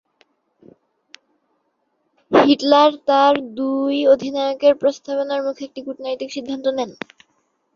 Hitler তার দুই অধিনায়কের প্রস্তাবনার মুখে একটি কূটনৈতিক সিদ্ধান্ত নেন।